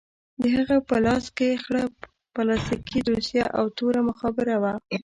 د هغه په لاس کښې خړه پلاستيکي دوسيه او توره مخابره وه.